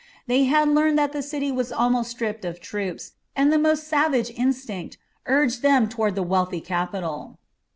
They had learned that the city was almost stripped of troops, and the most savage instinct urged them toward the wealthy capital.